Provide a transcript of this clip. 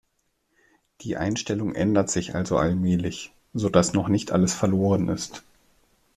Die Einstellung ändert sich also allmählich, sodass noch nicht alles verloren ist.